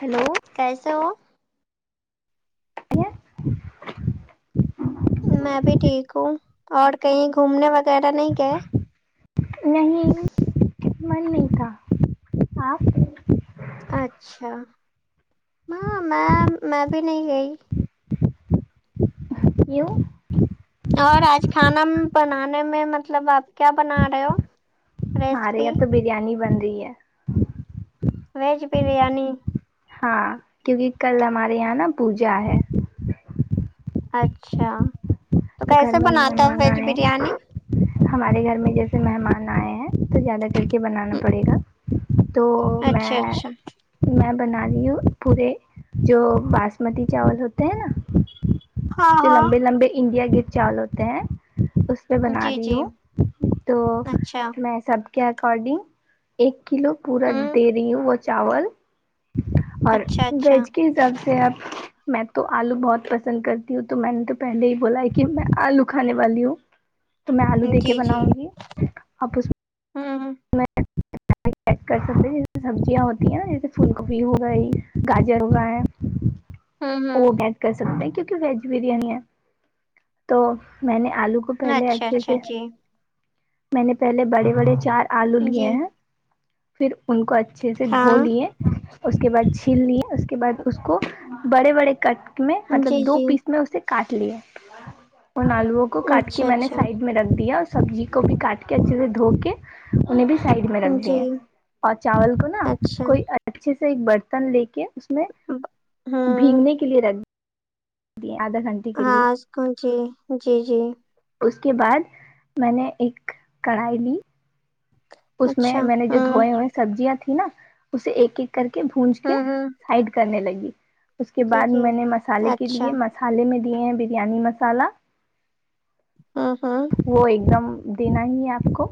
hello کیسے ہو کیا میں بھی ٹھیک ہوں اور کہیں گھومنے وغیرہ نہیں گئے نہیں من نہیں تھا آپ اچھا ہاں میں میں بھی نہیں گئی کیوں اور آج کھانا بنانے میں مطلب آپ کیا بنا رہے ہو ہمارے ریسیپی یہاں تو بریانی بن رہی ہے ویج بریانی ہاں کیونکہ کل ہمارے یہاں نا پوجا ہے اچھا تو گھر کیسے میں بناتا ہو مہمان ویج آئے ہیں بریانی ہمارے گھر میں جیسے مہمان آئے ہیں تو زیادہ کر کے بنانا پڑے گا تو اچھا میں اچھا میں بنا رہی ہوں پورے جو باسمتی چاول ہوتے ہیں نا ہاں جو لمبے ہاں لمبے انڈیا گیٹ چال ہوتے ہیں اس میں بنا جی رہی جی ہوں تو اچھا میں سب کے اکارڈنگ ایک کلو پورا ہوں دے رہی ہوں وہ چاول اور اچھا اچھا ویج کے حساب سے اب میں تو آلو بہت پسند کرتی ہوں تو میں نے تو پہلے ہی بولا کہ میں آلو کھانے والی ہوں تو میں آلو دے کے بناؤں گی آپ اس میں ھم ھم کر سکتے جیسے سبزیاں ہوتی ہیں نا جیسے پھول گوبی ہو گئی گاجر ہو گئے ہے ہوں ہوں وہ ایڈ کر سکتے ہیں کیونکہ ویج بریانی ہے تو میں نے آلو کو پہلے اچھا اچھے اچھا سے جی میں نے پہلے بڑے بڑے چار آلو جی لیے ہیں پھر ان کو اچھے سے دھو ہاں لیے اس کے بعد چھیلنی اس کے بعد اس کو بڑے بڑے کٹ میں مطلب جی دو جی پیس میں اسے کاٹ لیے ان آلووں کو کاٹ کے اچھا میں نے اچھا سائڈ میں رکھ دیا اور سبزی کو بھی کاٹ کے اچھے سے دھو کے انہیں بھی سائڈ میں رکھ دی جی ہیں اور چاول کو نا اچھا کوئی اچھے سے ایک برتن لے کے اس میں ب- ہوں بھیگنے کے لیے رکھ دیے آدہ گھنٹا ہاں اس کو جی جی جی اس کے بعد میں نے ایک کڑھائی لی اس اچھا میں نے جو ہوں دھوئے ہوئے سبزیاں تھی نا اسے ایک ایک کر کے بونج کے ہوں ہوں سائڈ کرنے لگی اس کے جی بعد جی میں نے مسالے کے اچھا لیے مسالے میں دیے ہیں بریانی مسالہ ہاں ہاں وہ ایک دم دینا ہی ہے آپ کو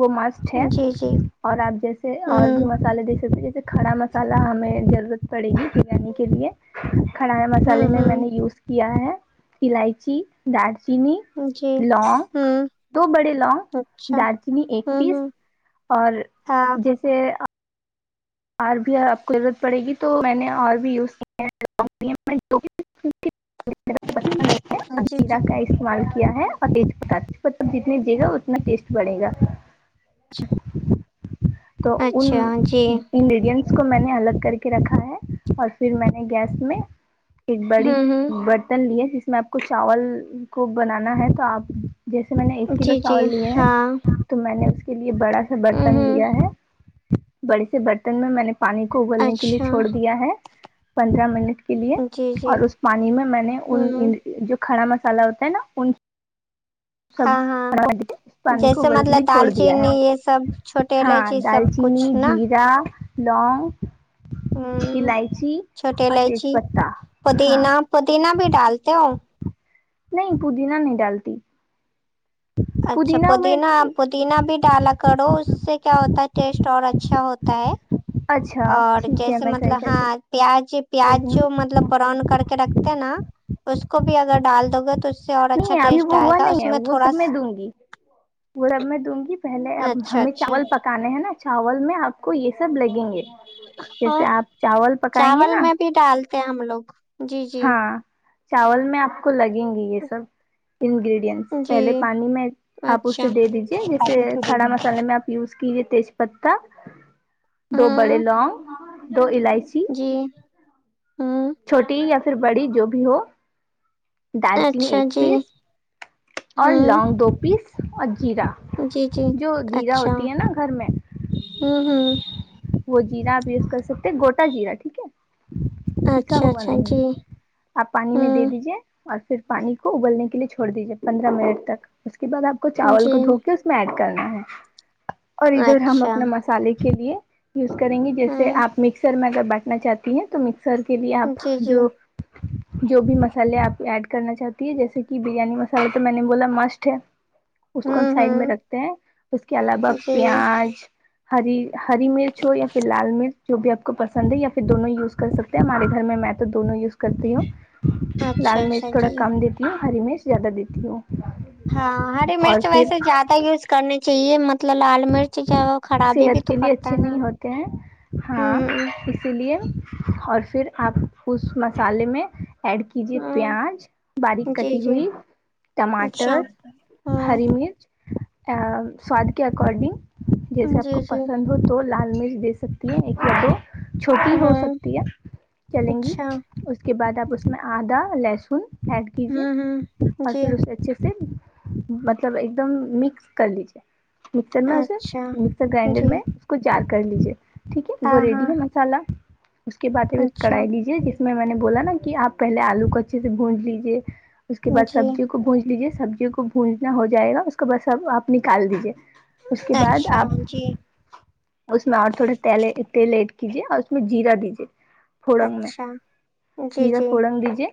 وہ مس ست جی جی اور آپ جیسے اور بھی ہوں مسالے دے سکتے جیسے کھڑا مسالہ ہمیں ضرورت پڑے گی بریانی کے لیے کھڑا مسالے ہوں میں میں نے ہوں یوز کیا ہے الائچی دال چینی جی لونگ ہوں دو بڑے لونگ اچھا دارچینی ایک ہوں پیس ہوں اور ہاں جیسے اور بھی آپ کو ضرورت پڑے گی تو میں نے اور بھی یوز کی ہیں پسند نہیں جی ہے جی [inaudible] استعمال کیا ہے اور ٹیٹ بھی مطلب جتنے دیا گا اتنا ٹیسٹ بڑے گا اچھا تو ان جی انگریڈینٹس کو میں نے الگ کر کے رکھا ہے اور پھر میں نے گیس میں ایک بڑی ہوں ہوں برتن لی ہے جس میں آپ کو چاول کو بنانا ہے تو آپ جیسے میں نے ایک کلو جی جی چاول لیے ہیں ہاں تو میں نے اس کے لیے بڑا سا ہوں برتن ہوں لیا ہے بڑے سے برتن میں میں نے پانی کو اگلنے کے لیے اچھا چھوڑ دیا ہے پندرہ منٹ کے لیے جی جی اور اس پانی میں میں نے ان ہوں جو کڑا مسلا ہوتا ہے نا انچ سب ہاں ہاں اس پانی کو جیسے وبال کے لیے مطلب چھوڑ دال دیا چینی ہے یہ سب چھوٹے ہاں الائچی دال سب کچھ چینی نا جیرا لگ ہوں اللاائچی چھوٹے اور تیج الائچی پتہ ہاں پودینہ پودینہ بھی ڈالتے ہو نہیں پودینہ نہیں ڈالتی اچھا پودینہ پودینہ بھی ڈالا کرو اس سے کیا ہوتا ہے ٹیسٹ اور اچھا ہوتا ہے اچھا اور ٹھیک ہے جیسے میں ٹرائی مطلب کر کے ہاں پیاز دیکھیں پیاز جو گی مطلب براؤن کر کے رکھتے ہیں نا اس کو بھی اگر ڈال دو گے تو اس سے اور نہیں اچھا ہے ابھی ٹیسٹ وہ آئے ہوا گا نہیں اس ہے میں وہ تھوڑا سب میں دوں گی وہی میں دوں گی پہلے اب اچھا ہمیں اچھا چاول پکانے ہے نا چاول میں آپ کو یہ سب لگیں گے جیسے آپ چاول پکائیں گے نا ٹالتے ہیں ہم لوگ جی جی ہاں چاول میں آپ کو لگیں گی یہ سب انگریڈینٹس جی پہلے پانی میں آپ اسے اچھا دے دیجئے جیسے کھڑا مسالے میں آپ یوز کی ہے تیج پتہ دو بڑے ہاں لونگ دو الائچی جی ہوں چھوٹی یا پھر بڑی جو بھی ہو دالچینی اچھا ایک جی پیس اور ہوں لونگ دو پیس اور جیرا جی جی جو جیرا اچھا ہوتی ہے نہ گھر میں ہوں ہوں وہ جیرا آپ یوز کر سکتے ہیں گوٹا جیرا ٹھیک ہے پسا اچھا ہوا اچھا جی نہیں آپ پانی میں دے ہوں دیجئے اور پھر پانی کو ابلنے کے لیے چھوڑ دیجۓ پندرہ منٹ تک اس کے بعد آپ کو چاول جی کو دھو کے اس میں ایڈ کرنا ہے اور ادھر ہم اچھا اپنے مصالحے کے لیے یوز کریں گی جیسے ہوں آپ مکسر میں اگر بانٹنا چاہتی ہیں تو مکسر کے لیے آپ جی جی جو جو بھی مصالحے آپ ایڈ کرنا چاہتی ہیں جیسے کہ بریانی مصالحے تو میں نے بولا مسٹ ہے اس کو ہم ہوں سائڈ میں ہوں رکھتے ہیں اس کے علاوہ جی پیاز، ہری ہری مرچ چھ یا فر لال مرچ جو بھی آپ کو پسند ہے یا پھر دونوں یوز کر سکتے ہیں ہمارے گھر میں میں تو دونوں یوز کرتی ہوں اچھا لال مرچ اچھا تھوڑا جی کم دیتی ہوں ہری مرچ زیادہ دیتی ہوں ہاں ہری اور مرچ پھر ویسے زیادہ یوز کرنی چاہیے مطلب لال مرچ جو ہے وہ خرابی بھی صحت تو کے لیے کرتا اچھے ہے نا نہیں ہوتے ہیں ہاں ہوں اسی لیے اور فر آپ اس مصا لحے میں ایڈ کیجیے ہوں پیاز باریک ہوں جی کٹی جی ہوئی اچھا ٹماٹر، ہوں ہری مرچ ا سواد کے اکارڈنگ جیسے آپ جی کو جی پسند ہو تو لال مرچ دے سکتی ہیں ایک یا دو چھوٹی ہو ہوں سکتی ہے چلیں گی اچھا اس کے بعد آپ اس میں آدا لہسن ایڈ ہوں کیجیے ہوں اور جی پھر اسے اچھے سے مطلب ایک دم مکس کر لیجیے مکسر میں اسے اچھا مکسر گرائنڈر جی میں کو جار کر لیجیے ٹھیک ہے ہاں وہ ہاں ریڈی ہے مصا لحہ اس کے بعداب اچھا کڑھائی لیجیے جس میں میں نے بولا نہ کہ آپ پہلے آلو کو اچھے سے گونج لیجیے اس کے بعد جی سبجی کو بونج لیجے سبزیوں کو بونجنا ہو جائے گا اس کو بس اب آپ نکال دیجیے اس کے بعد اچھا، آپ جی اس میں اور تھوڑے تیلے تیل ایڈ کیجیے اور اس میں جیرا دیجے فورن میں اچھا جی جیرا جی فورن دیجیے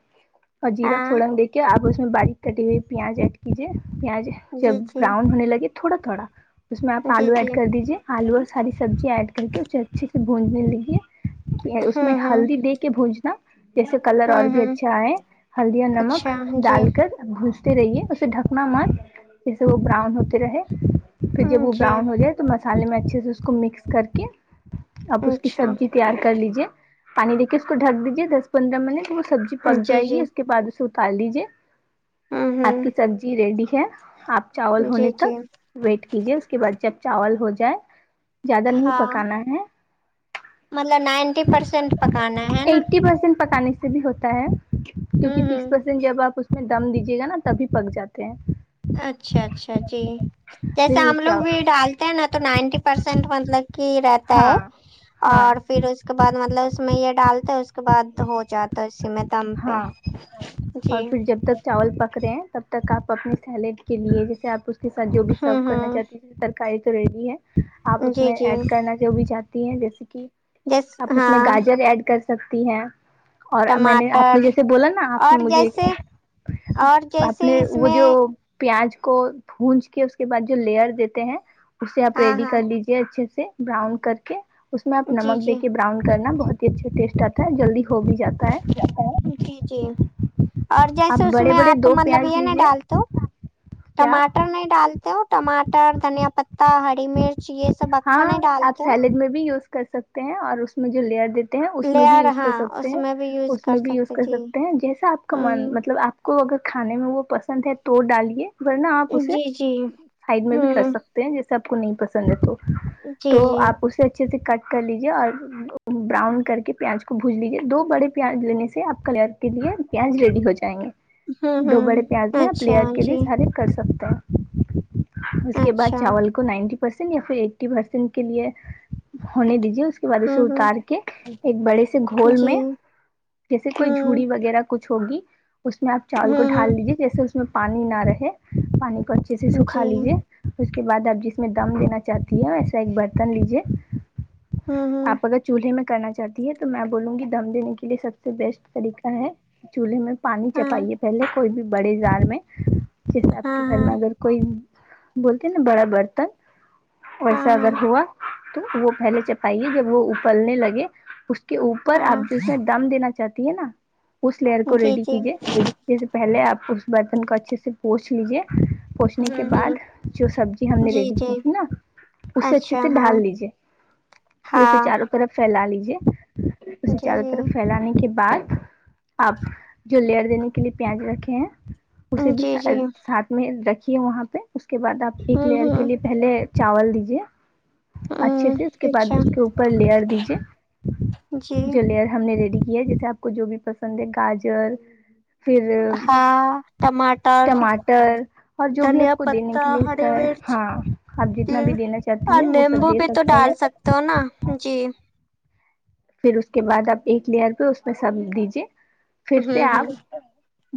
اور جیرا ہاں فورگ دیک کہ آپ اس میں باریک کٹی ہوئی پیاج ایڈ کیجئے پیاج جب جی جی براؤن ہونے لگے تھوڑا تھوڑا اس میں آپ جی آلو جی ایڈ کر دیجئے آلو اور ساری ہوں سب جی ایڈ کر کے اسے اچھے سے بونجنے لگئے اس میں ہوں ہلدی دے کے بھونجنا جیسے کلر اور ہوں بھی ہوں اچھا آ ۓ ہلدی ا نمک اچھا جی ڈال کر بھو جتے رہئے اسے ڈھکنا مت جیسے وہ براؤن ہوتے رہے پھر جب وہ جی براؤن ہو تو مصا لحے میں اچھے سے اس کو مکس کر کے اب اس کی اچھا سبجی تیار کر لیجیے پانی دے کے اس کو ڈھک دیجیے دس پندرہ منٹ وہ سبز پک جی جائے جی گی اس کے بعد اسے اتار لیجئے ہوں آپ ہوں کی سبجی ریڈی ہے آپ چاول ہونے جی جی تک ویٹ کیجئے اس کے بعد جب چاول ہو جائے زیادہ نہیں ہاں پکانا ہے مطلب نائنٹی پرسینٹ پکانا ہے نہ پرسنٹ پکالے بھی ہوتا ہے ہوں کیونکہ تیس ہوں پرسینٹ جب آپ اس میں دم دیجیے گا نہ تبھی پک جاتے ہیں اچھا اچھا جی جیسے پھر ہم لوگ کیا بھی ڈال تے نہ تو نائنٹی پرسینٹ مطلب کہ رہ ہاں ہاں اور فر اس کے بعد مطلب اس میں یہ ڈالتے اس کے بعد ہو جاتا ہے اسی میں د م ہاں جی اور پھر جب تک چاول پک رہے ہیں تب تک آپ اپنے سیلیڈ کے لیے جیسے آپ اس کے ساتھ جو بھی سرف ہوں کرنا ہوں چاہتے ہیں جسےرک کاری تو ریڈی ہے آپ اس جی میں جی ایڈ کرنا جو بھی چاہتی ہیں جیسے کہ جس آپ اس میں ہاں گاجر ایڈ کر سکتی ہیں اور میں نے آپ نے ٹماٹر جیسے بولا نا آپ نے اور مجھے جیسے اور اپ جیسے نے اس وہ میں جو پیاز کو پھونج کے اس کے بعد جو لیئر دیتے ہیں اسے آپ ہاں ریڈی ہاں کر لیجیے اچھے سے براؤن کر کے اس میں آپ جی نمک دے جی کے براؤن کرنا بہت اچھا ٹیسٹ آتا ہے جلدی ہو بھی جاتا ہے جی جی اور آپ جیسے اس بڑے میں بڑے آپ دو مطلب پیاز یہ نہ لیجیے ڈال تو کیا ٹماٹر نہیں ڈالتے ہو ٹماٹر دھنیا پتا ہری ہری مرچ یہ سب ہاں اکھا نہیں آپ ڈالتا سیلیڈ میں بھی یوز کر سکتے ہیں اور اس میں جو لیئر دیتے ہیں اس میں بھی لیئر یوز کر ہاں سکتے اس ہیں میں بھی یوز اس میں بھی یوز کر جی سکتے ہیں جیسا آپ کو ہ کا من مطلب آپ کو اگر کھانے میں وہ پسند ہے تو ڈالیے ورنہ آپ اسے جی جی سائڈ میں بھی کر ہوں سکتے جیسے آپ کو نہیں پسند ہے تو جی تو جی آپ اسے اچھے سے کٹ کر لیجیے اور براؤن کر کے پیاز کو بھون لیجیے دو بڑے پیاز لینے سے آپ کلر کے لیے پیاز ریڈی ہو جائیں گے ہوں دو ہوں بڑے پیاز میں آپ اچھا لیر کے لیے جی سارے کر سکتے ہیں اس کے اچھا بعد چاول نائنٹی پرسینٹ یا پھر ایٹی پرسینٹ کے لیے ہونے دیجیے اس اور سے ہوں ہوں اتار کے ایک بڑے سے گھول میں جی جیسے کوئی ہوں جھوڑی وغیرہ کچھ ہوگی اس میں آپ چاول کو ڈال ہوں دیجیے جیسے اس میں پانی نہ رہے پانی کو اچھی اچھی طر حہ ہوں سکھا جی لیجیے اس کے بعد اب جیس میں دم دینا چاہتی ہے ایسا ایک برتن لیجیے ہوں ہوں آپ اگر چولہے میں کرنا چاہتی ہے تو میں بولوں گی دم دینے کے لیے سب سے بیسٹ طریقہ ہے چولہے میں پانی ہاں چپائیے پہلے کوئی بھی بڑے زار میں جیسے آپ ہاں کے گھر ہاں میں اگر کوئی بولتے نا بڑا برتن ہاں ویسا ہاں اگر ہوا تو وہ پہلے چپائیے جب وہ اپلنے لگے اس کے اوپر ہاں آپ جسے دم دینا چاہتے ہے نہ اس لیر کو جی ریڈی جی کیجیے جیس سے پہلے آپ اس برتن کو اچھے سے پوچھ لیجے پہنچنے کے ہوں ہوں بعد جو سبزی ہم نے جی ریڈی جی کی تھی نا اسے اچھے اچھا سے ہاں ڈال لیجیے پھرے سے ہاں چاروں طرف پھیلا لیجے اسے جی چاروں طرف جی پھیلانے کے بعد آپ جو لیئر دینے کے لیے پیاز رکھے ہیں اسے بھی جی جی ساتھ میں رکھیے وہاں پہ اس کے بعد آپ ایک ہوں لیئر کے ہوں لیے پہلے چاول دیجیے اچھے ہوں سے اس کے بعد اچھا اس کے اوپر لئر دیجیے جی جولیئر ہم نے ریڈی کیا ہے جیسے آپ کو جو بھی پسند ہے گاجر پھر ہاں ٹماٹر ٹماٹر اور جو بھی دھنیا آپ کو دینے پتتا کے لیے ہوتا ہری ہے مرچ ہاں آپ جتنا تل بھی دینا چاہتی ہیں وہ سب دے سکتی ہیں ن جی پھر اس کے بعد آپ ایک لیئر پہ اس میں سمج دیجیے پھر سے ہوں آپ ہوں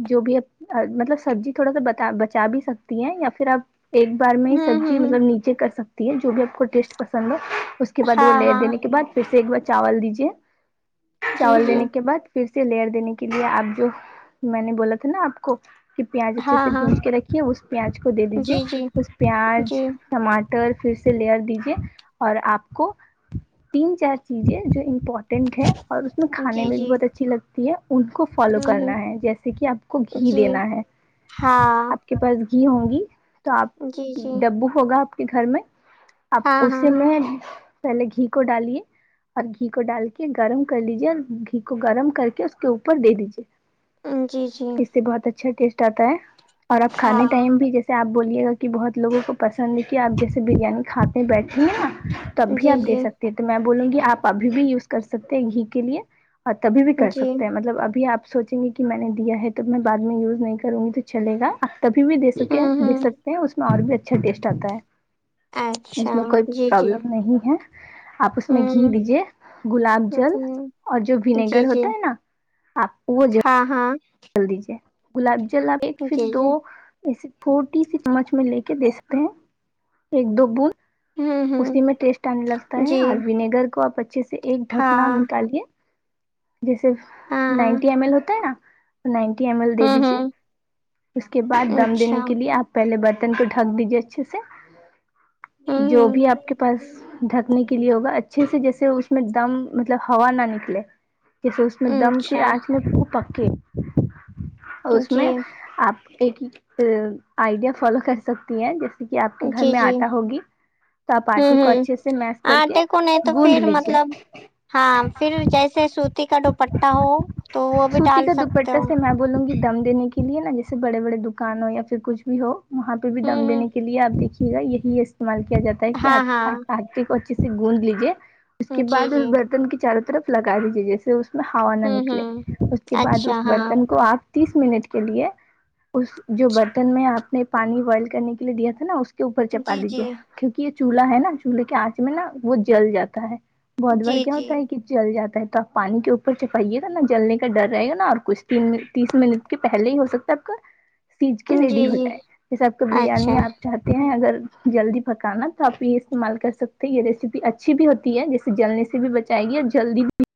جو بھی اب مطلب سبزی تھوڑا سا بتا بچا بھی سکتی ہیں یا پھر آپ ایک بار میں ہوں سبزی ہوں مطلب نیچے کر سکتی ہے جو بھی آپ کو ٹیسٹ پسند ہو کے بعد وہ ہاں لیر ہاں دینے کے بعد پھر سے ایک بار چاول دیجیے جی چاول جی دینے کے بعد پھر سے لئر دینے کے لیے آپ جو میں نے بولا تھا نا آپ کو کہ پیاز اچھے ہاں سے ہاں بھون کے رکھیے اس پیاز کو دے دیجیے جی جی اس پیاز جی ٹماٹر پھر سے لیئر دیجیے اور آپ کو تین چار چیزیں جو امپورٹنٹ ہے اور اس میں کھانے جی میں بھی جی بہت اچھی لگتی ہے ان کو فالو ہوں ہوں کرنا ہے جیسے کہ آپ کو گھی جی دینا ہے ہاں آپ کے پاس گھی ہوںگی تو آپ جی جی ڈبو ہوگا آپ کے گھر میں اپ ہاں ہاں اسے میں پہلے گھی کو ڈالیے اور گھی کو ڈال کے گرم کر لیجیے اور گھی کو گرم کر کے اس کے اوپر دے دیجے جی جی اس سے بہت اچھا ٹیسٹ آتا ہے اور آپ کھانے ہاں ٹائم بھی جیسے سے آپ بولیے گا کہ بہت لوگوں کو پسند ہے کہ آپ جیسے بریانی کھاتے بیٹھے ہیں نا تب بھی جی آپ دے جی سکتے ہیں تو میں بولوں گی آپ ابھی بھی یوز کر سکتے ہیں گھی کے لیے تبھی بھی کر جی سکتے ہیں مطلب ابھی آپ سوچیں گے کہ میں نے دیا ہے تو میں بعد میں یوز نہیں کروں گی تو چلے گا آپ تبھی بھی دے سکیں ہوں دے ہوں سک اس میں اور بھی اچھا ٹیسٹ آتا ہے اچھا اس میں کوئی جی جی پرابلم نہیں ہے آپ اس میں ہوں گھی دیجیے گلاب جل ہوں اور جو جی ونیگر جی ہوتا ہے نا آپ وہ ہاں ہاں چل دیجے گلاب جل ایک پھر جی دو جی ایسی فھوٹی سی چمچ میں لے کے دے سکتے ہیں ایک دو بند ہوں اسی ہوں میں ٹیسٹ آنے لگتا ہے جی اور ونیگر کو آپ اچھے سے ایک ہاں ڈھکنا نکالیے جیسے ہاں ہاں نائنٹی ایم ایل ہوتا ہے نا نائنٹی ایم ایل دے ہوں دیجیے ہوں اس کے بعد دم دینے اچھا کے لیے آپ پہلے برتن کو ڈھک دیجیے اچھے سے ہوں جو بھی ہوں آپ کے پاس ڈھکنے کے لیے ہوگا اچھے سے جیسے اس میں دم مطلب ہوا نہ نکلے جیسے اس میں دم کی اچھا آنچ میں پو پکیے جی اس میں آپ ایک آئیڈیا فالو کر سکتی ہیں جیسے کہ آپ کے گھر جی میں جی آٹا ہوگی تو آپ ہوں آٹے کو ہوں اچھے سے میس کر کے آٹے کو نہیں تو گوند پھر لیجیے مطلب ہاں پھر جیسے سوتی کا دوپٹہ ہو تو وہ بھی سوتی ڈال کا سکتے دوپٹہ ہو سے میں بولوں گی دم دینے کے لیے نا جیسے بڑے بڑے دکان ہو یا پھر کچھ بھی ہو وہاں پہ بھی دم ہوں ہوں دینے کے لیے آپ دیکھیے گا یہی استعمال کیا جاتا ہے ہاں ہاں کہ کو اچھے سے گند لیجیے اس کے جی بعد اس جی برتن کے چاروں طرف لگا دیجے جیسے اس ہوا نہ ہوں نکلے ہوں اس کے بعد اس اچھا ہاں برتن کو آپ تیس منٹ کے لیے اس جو برتن میں آپ نے پانی بوائل کرنے کے لیے دیا تھا نا اس کے اوپر چپا جی لیجیے جی کیونکہ یہ چولہا ہے نا چولہے کے آنچ میں نا وہ جل جاتا ہے بدوار جی کیا جی ہوتا ہے ک جل جاتا ہے تو آپ پانی کے اوپر چپائیے گا نا جلنے کا ڈر رہے گا نا اور کچھ اسپین میں تیس منٹ کے پہلے ہی ہو سکتا ہے اپ کا سیج کے جی ریڈی ہو جی جائے جیسے آپ کا اچھا بریانی آپ چاہتے ہیں اگر جلدی پکانا تو آپ یہ استعمال کر سکتے ہیں یہ ریسیپی اچھی بھی ہوتی ہے جیسے جلنے سے بھی بچائے گی اور جلدی بھی